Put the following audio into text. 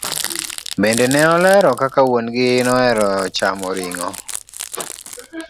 Bende ne olero kaka wuon gi nohero chamo ring'o.